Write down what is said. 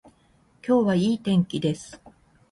今日はいい天気です。